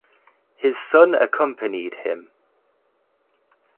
His son accompanied him.